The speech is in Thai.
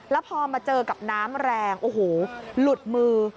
แล้วพอมาเจอกับน้ำแรงโอ้โหหลุดมือ